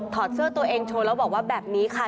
อดเสื้อตัวเองโชว์แล้วบอกว่าแบบนี้ค่ะ